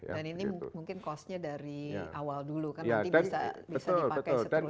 dan ini mungkin costnya dari awal dulu kan nanti bisa dipakai seterusnya